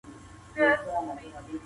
کېدای سي کالي خراب شي.